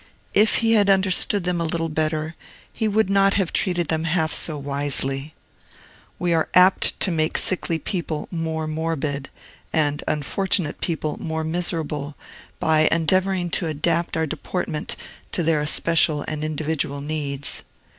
If he had understood them a little better, he would not have treated them half so wisely. We are apt to make sickly people more morbid, and unfortunate people more miserable, by endeavoring to adapt our deportment to their especial and individual needs.